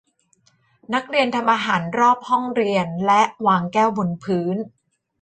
นักเรียนทำอาหารรอบห้องเรียนและวางแก้วบนพื้น